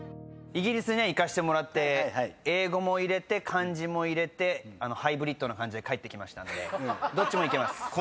イギリスね行かせてもらって英語も入れて漢字も入れてハイブリッドな感じで帰ってきたんでどっちもいけます。